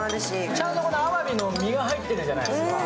ちゃんとあわびの身が入ってるじゃないですか。